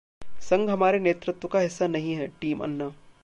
संघ हमारे नेतृत्व का हिस्सा नहीं है: टीम अन्ना